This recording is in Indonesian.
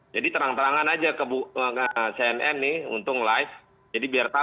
jadi terang terangan aja ke bu arya